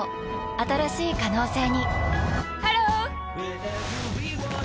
新しい可能性にハロー！